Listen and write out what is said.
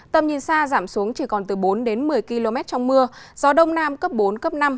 tầm nhìn xa giảm xuống chỉ còn từ bốn đến một mươi km trong mưa gió đông nam cấp bốn cấp năm